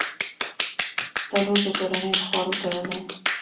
تنور د کورنۍ د خوړو زړه دی